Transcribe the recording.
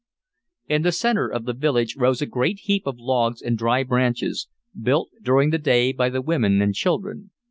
In the centre of the village rose a great heap of logs and dry branches, built during the day by the women and children.